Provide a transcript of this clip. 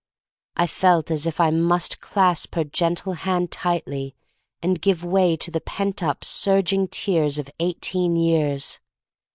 I felt as if I must clasp her gentle hand tightly and give way to the pent up, surging tears of eighteen years.